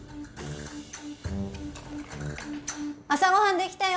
朝ごはん出来たよ！